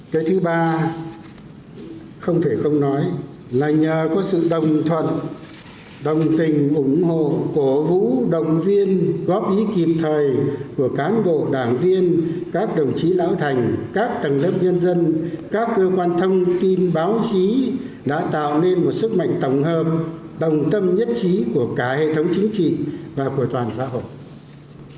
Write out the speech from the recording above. cái thứ ba không thể không nói là nhờ có sự đồng thuận đồng tình ủng hộ cổ vũ đồng viên góp ý kịp thời của cán bộ đảng viên các đồng chí lão thành các tầng lớp nhân dân các cơ quan thông tin báo chí đã tạo nên một sức mạnh tổng hợp đồng tâm nhất trí của cả hệ thống chính trị và của toàn xã hội